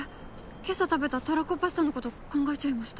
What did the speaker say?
今朝食べたたらこパスタの事考えちゃいました。